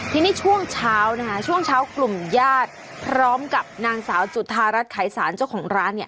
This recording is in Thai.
ทีนี้ช่วงเช้านะคะช่วงเช้ากลุ่มญาติพร้อมกับนางสาวจุธารัฐไขสารเจ้าของร้านเนี่ย